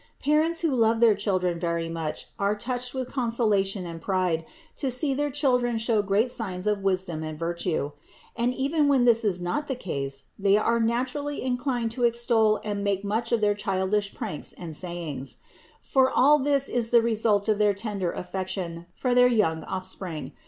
Parents who love their children very much are touched with consolation and pride to see their children show great signs of wisdom and virtue; and even when this is not the case, they are naturally inclined to extol and make much of their childish pranks and sayings; for all this is the result of their tender affection for their young offspring.